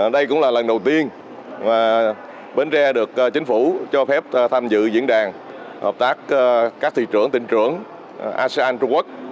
đây cũng là lần đầu tiên bến tre được chính phủ cho phép tham dự diễn đàn hợp tác các thị trưởng tinh trưởng asean trung quốc